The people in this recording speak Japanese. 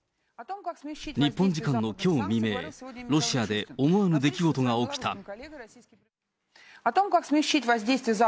日本時間のきょう未明、ロシアで思わぬ出来事が起きた。